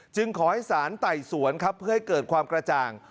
ขอให้สารไต่สวนครับเพื่อให้เกิดความกระจ่าง